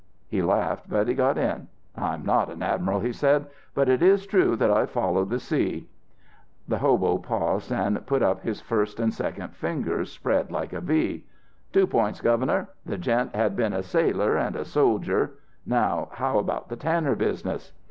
"'He laughed, but he got in. "I'm not an admiral," he said, "but it is true that I've followed the sea."' "The hobo paused, and put up his first and second fingers spread like a V. "'Two points, Governor the gent had been a sailor and a soldier; now how about the tanner business?'